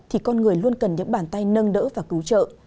thì con người luôn cần những bàn tay nâng đỡ và cứu trợ